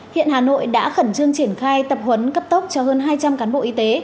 hiện hà nội đã khẩn trương triển khai tập huấn cấp tốc cho hơn hai trăm linh cán bộ y tế